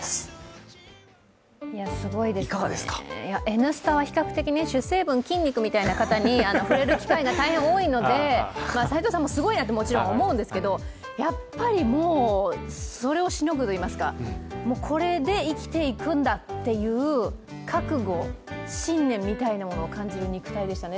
「Ｎスタ」は比較的、主成分・筋肉みたいな方に触れる機会が大変多いので齋藤さんもすごいなともちろん思うんですけどやっぱりもうそれをしのぐといいますか、これで生きていくんだという覚悟、信念みたいなものを感じる肉体でしたね。